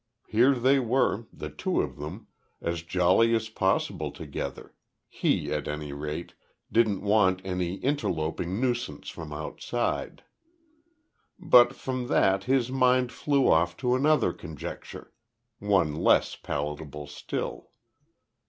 Here they were the two of them as jolly as possible together; he, at any rate, didn't want any interloping nuisance from outside. But from that his mind flew off to another conjecture one less palatable still.